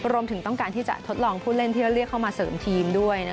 รวมถึงต้องการที่จะทดลองผู้เล่นที่จะเรียกเข้ามาเสริมทีมด้วย